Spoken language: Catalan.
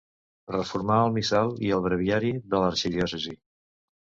Reformà el missal i el breviari de l'arxidiòcesi.